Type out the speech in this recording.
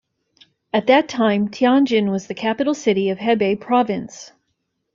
At that time, Tianjin was the capital city of Hebei Province.